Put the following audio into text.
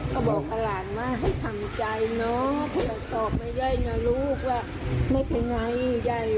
ก็บอกกับหลานมาให้ทำใจเนาะเดี๋ยวตอบมาไย่นะลูกว่าไม่เป็นไงไย่